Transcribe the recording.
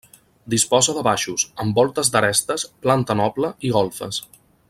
Disposa de baixos, amb voltes d'arestes, planta noble i golfes.